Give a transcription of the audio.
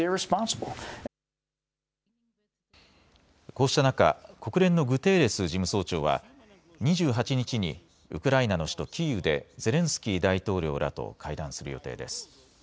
こうした中、国連のグテーレス事務総長は２８日にウクライナの首都キーウでゼレンスキー大統領らと会談する予定です。